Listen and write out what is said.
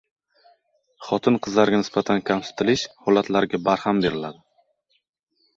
Xotin-qizlarga nisbatan kamsitilish holatlariga barham beriladi